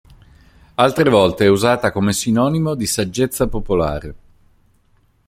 Altre volte è usata come sinonimo di saggezza popolare.